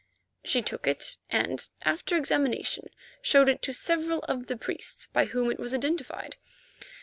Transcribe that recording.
She took it and, after examination, showed it to several of the priests, by whom it was identified.